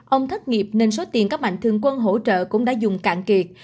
ông thất nghiệp nên số tiền các mạnh thường quân hỗ trợ cũng đã dùng cạn kiệt